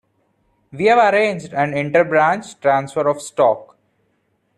We have arranged an inter-branch transfer of stock.